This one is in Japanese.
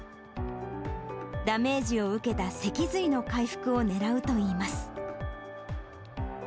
ダメージを受けた脊髄の回復をねらうといいます。